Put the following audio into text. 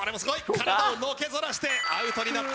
体をのけ反らせてアウトになった。